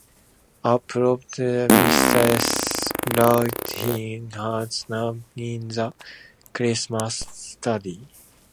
A portrait of Mrs. Laughlin hangs nearby in the Chairmen's Study.